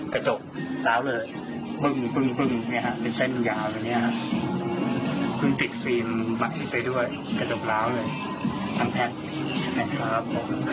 กระจกล้าวเลยปึ้งปึ้งปึ้งนี่ครับเป็นเส้นยาวตรงนี้ครับเพิ่งติดฟีล์มใหม่ไปด้วยกระจกล้าวเลยทำแพทย์นะครับ